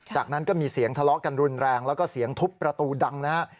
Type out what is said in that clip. จากนั้นก็มีเสียงทะเลาะกันรุนแรงแล้วก็เสียงทุบประตูดังนะฮะ